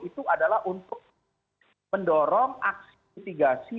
itu adalah untuk mendorong aksi mitigasi